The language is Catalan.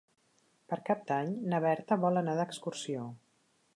Per Cap d'Any na Berta vol anar d'excursió.